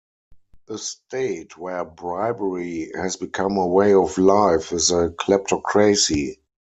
A state where bribery has become a way of life is a kleptocracy.